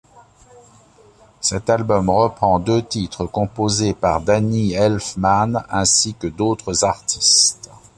Cet album reprend deux titres composés par Danny Elfman ainsi que d'autres artistes.